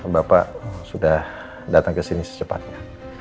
bapak sudah datang ke sini secepatnya